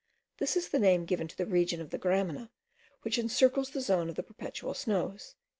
This is the name given to the region of the gramina, which encircles the zone of the perpetual snows.)